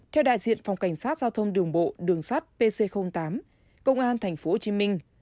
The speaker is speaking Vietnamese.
theo đại diện phòng cảnh sát giao thông đường bộ đường sát pc tám công an thành phố hồ chí minh